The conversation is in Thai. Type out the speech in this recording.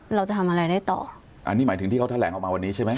เราจะทำอะไรได้ต่ออันนี้หมายถึงที่เขาแถลงออกมาวันนี้ใช่ไหม